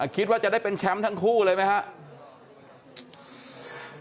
คิดว่าจะได้เป็นแชมป์ทั้งคู่เลยไหมครับ